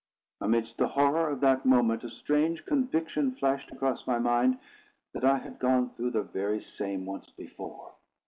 Amidst the horror of the moment, a strange conviction flashed across my mind, that I had gone through the very same once before.